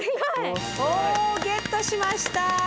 おゲットしました。